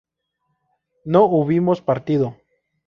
¿no hubimos partido?